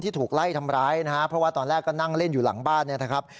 ถูกไล่ทำร้ายนะฮะเพราะว่าตอนแรกก็นั่งเล่นอยู่หลังบ้านเนี่ยนะครับ